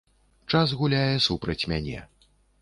Час гуляе супраць мяне.